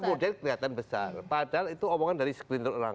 kemudian kelihatan besar padahal itu omongan dari sekelintir orang